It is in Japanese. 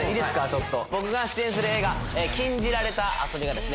ちょっと僕が出演する映画禁じられた遊びがです